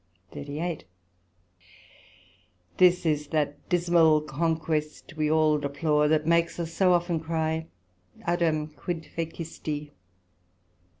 SECT.38 This is that dismal conquest we all deplore, that makes us so often cry (O) Adam, quid fecisti?